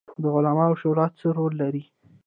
د علماوو شورا څه رول لري؟